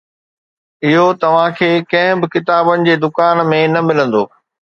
اهو توهان کي ڪنهن به ڪتابن جي دڪان ۾ نه ملندو.